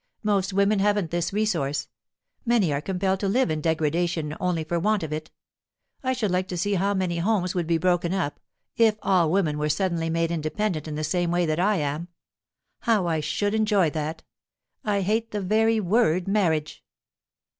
Most women haven't this resource: many are compelled to live in degradation only for want of it. I should like to see how many homes would be broken up, if all women were suddenly made independent in the same way that I am. How I should enjoy that! I hate the very word 'marriage'!"